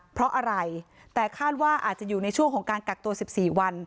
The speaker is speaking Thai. เพราะอะไรแต่คาดว่าอาจจะอยู่ในช่วงของการกักตัว๑๔วัน